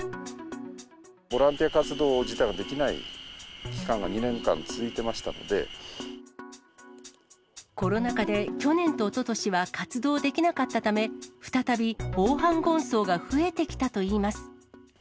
ボランティア活動自体ができない期間が２年間続いてましたのコロナ禍で去年とおととしは活動できなかったため、再びオオハンゴンソウが増えてきたといいます。